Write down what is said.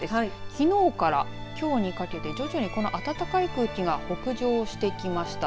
きのうからきょうにかけて徐々に暖かい空気が北上してきました。